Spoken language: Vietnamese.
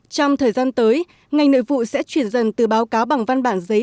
trong thời gian tới ngành nội vụ sẽ chuyển dần từ báo cáo bằng văn bản giấy